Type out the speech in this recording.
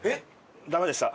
ダメでした。